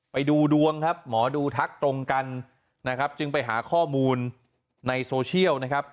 ไปดูดวงครับหมอดูทักตรงกันนะครับจึงไปหาข้อมูลในโซเชียลนะครับ